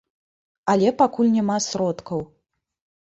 Але пакуль няма сродкаў.